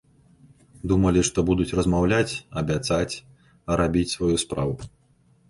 Думалі, што будуць размаўляць, абяцаць, а рабіць сваю справу.